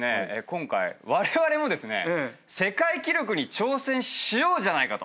今回われわれも世界記録に挑戦しようじゃないか。